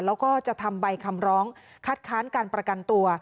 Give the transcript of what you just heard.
แล้วก็จะทำใบคำร้องคัดค้านการประกันตัว